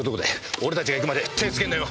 俺たちが行くまで手つけんなよ！